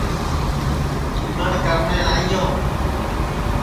جیمٹؔ کرنے آئی یو